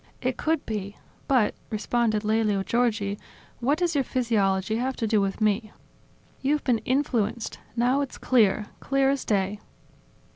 "It could be. But," responded Lelio Giorgi, "what does your physiology have to do with me?" "You've been influenced; now it's clear, clear as day."